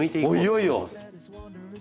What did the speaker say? いよいよ！